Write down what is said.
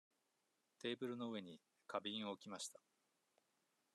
テーブルの上に花瓶を置きました。